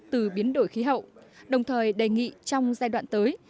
từ biến đổi khí hậu đồng thời đề nghị trong giai đoạn tới